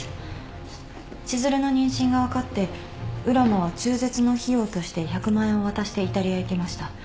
千寿留の妊娠が分かって浦真は中絶の費用として１００万円を渡してイタリアへ行きました。